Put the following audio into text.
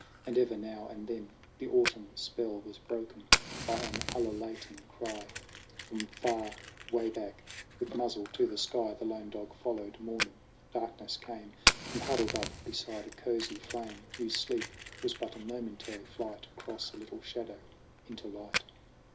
And ever now and then the autumn spell Was broken by an ululating cry From where far back with muzzle to the sky The lone dog followed, mourning. Darkness came; And huddled up beside a cozy flame, Hugh's sleep was but a momentary flight Across a little shadow into light.